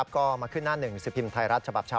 ก็มาขึ้นหน้าหนึ่งสิบพิมพ์ไทยรัฐฉบับเช้า